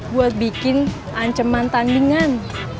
buat bikin anceman tandingan